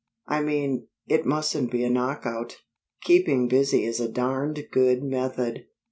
I mean, it mustn't be a knockout. Keeping busy is a darned good method."